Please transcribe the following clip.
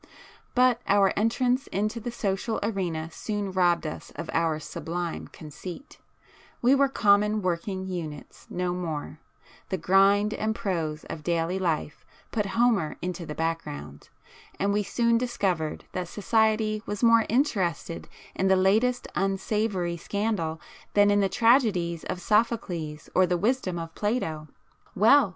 But our entrance into the social arena soon robbed us of our sublime conceit,—we were common working units, no more,—the grind and prose of daily life put Homer into the background, and we soon discovered that society was more interested in the latest unsavoury scandal than in the tragedies of Sophocles or the wisdom of Plato. Well!